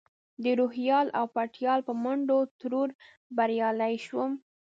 د روهیال او پتیال په منډو ترړو بریالی شوم.